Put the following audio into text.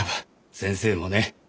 先生もね。